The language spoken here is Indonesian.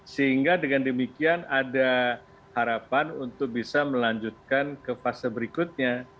sehingga dengan demikian ada harapan untuk bisa melanjutkan ke fase berikutnya